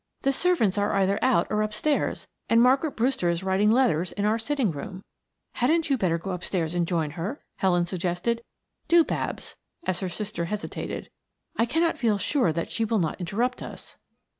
"The servants are either out or upstairs, and Margaret Brewster is writing letters in our sitting room." "Hadn't you better go upstairs and join her?" Helen suggested. "Do, Babs," as her sister hesitated. "I cannot feel sure that she will not interrupt us."